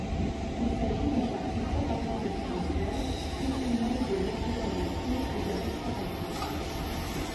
Il s'agit d'un quartier totalement résidentiel, puisqu'il manque de locaux commerciaux et de restauration.